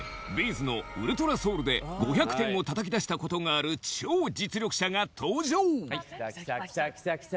’ｚの『ｕｌｔｒａｓｏｕｌ』で５００点をたたき出したことがある超実力者が登場きたきた。